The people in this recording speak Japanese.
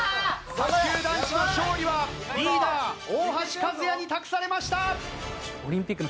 卓球男子の勝利はリーダー大橋和也に託されました！